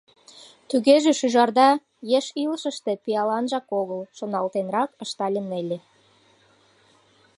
— Тугеже шӱжарда еш илышыште пиаланжак огыл, — шоналтенрак ыштале Нелли.